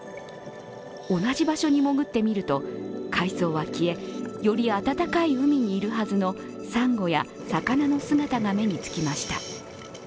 同じ場所に潜ってみると海藻は消え、より暖かい海にいるはずのさんごや魚の姿が目につきました。